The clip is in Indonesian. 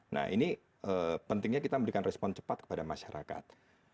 nah ini pentingnya kita memberikan respon cepat kepada masyarakat